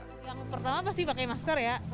yang pertama pasti pakai masker ya